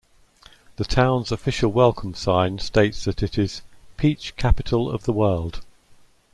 The town's official welcome sign states that it is "Peach Capital of the World".